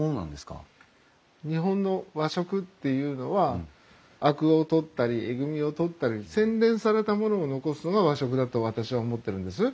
日本の和食っていうのはアクを取ったりエグミを取ったり洗練されたものを残すのが和食だと私は思ってるんです。